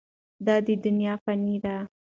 دا دنیا فاني ده.